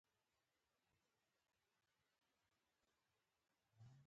شهزاده وروسته هغه خلیفه ته تسلیم کړ.